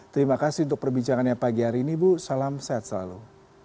terima kasih untuk perbincangannya pagi hari ini bu salam sehat selalu